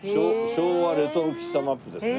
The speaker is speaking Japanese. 昭和レトロ喫茶マップですね。